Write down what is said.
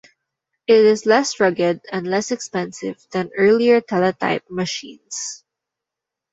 It is less rugged and less expensive than earlier Teletype machines.